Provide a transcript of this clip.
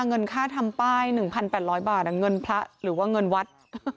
เงินค่าทำป้าย๑๘๐๐บาทเงินพระหรือว่าเงินวัด